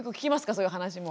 そういう話も。